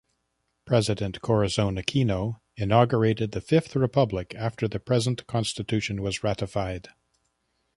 President Corazon Aquino inaugurated the Fifth Republic after the present constitution was ratified.